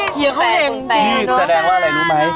เปลี่ยงเขาเห็น